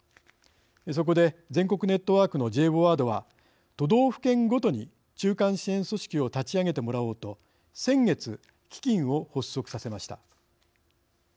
そこで全国ネットワークのＪＶＯＡＤは都道府県ごとに「中間支援組織」を立ち上げてもらおうと先月基金を発足させました。